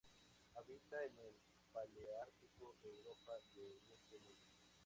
Habita en el paleártico: Europa y Oriente Medio.